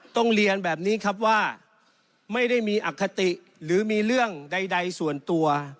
ต้องเรียนแบบนี้ครับว่าไม่ได้มีอคติหรือมีเรื่องใดส่วนตัว